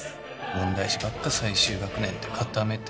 問題児ばっか最終学年で固めて。